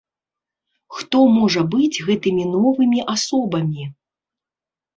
Хто можа быць гэтымі новымі асобамі?